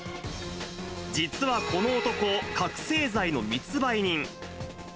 実はこの男、覚醒剤の密売人。